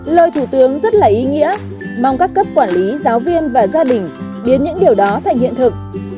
lời thủ tướng rất là ý nghĩa mong các cấp quản lý giáo viên và gia đình biến những điều đó thành hiện thực